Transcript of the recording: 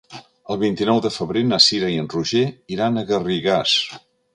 El vint-i-nou de febrer na Cira i en Roger iran a Garrigàs.